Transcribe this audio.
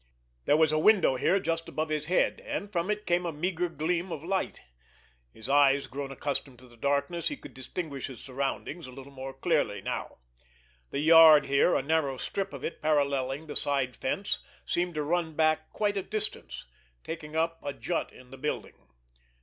There was a window here just above his head, and from it came a meager gleam of light. His eyes grown accustomed to the darkness, he could distinguish his surroundings a little more clearly now. The yard here, a narrow strip of it paralleling the side fence, seemed to run back quite a distance, taking up a jut in the building.